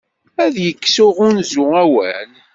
Ad yekkes uɣunzu awal.